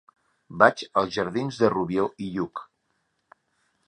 Vaig als jardins de Rubió i Lluch.